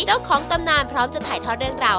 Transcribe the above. เจ้าของตำนานพร้อมจะถ่ายทอดเรื่องราว